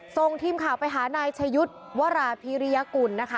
ส่งทีมข่าวไปหานายชะยุทธ์วราพิริยกุลนะคะ